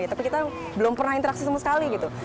tapi kita belum pernah interaksi sama sekali gitu